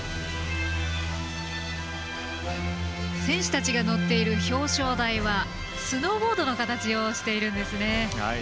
選手たちが乗っている表彰台はスノーボードの形をしているんですね。